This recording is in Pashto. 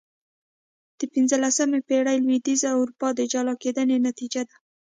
د پنځلسمې پېړۍ لوېدیځه اروپا د جلا کېدنې نتیجه ده.